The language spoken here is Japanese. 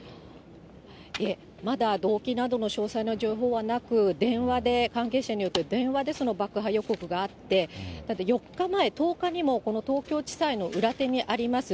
いえ、まだ動機などの詳細な情報はなく、電話で、関係者によって、電話でその爆破予告があって、４日前、１０日にもこの東京地裁の裏手にあります